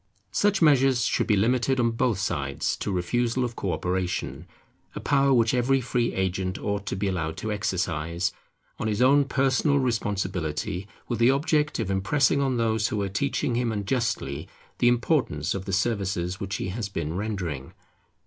Such measures should be limited on both sides to refusal of co operation; a power which every free agent ought to be allowed to exercise, on his own personal responsibility, with the object of impressing on those who are teaching him unjustly the importance of the services which he has been rendering.